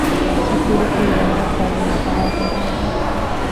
ސެކިއުރިޓީ ބަލަހައްޓައިދޭނެ ފަރާތެއް ހޯދުން